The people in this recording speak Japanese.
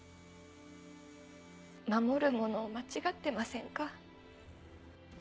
守るものを間違ってませんか？